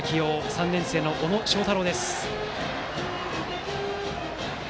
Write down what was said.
３年生の小野彰太郎です。